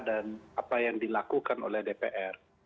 dan apa yang dilakukan oleh dpr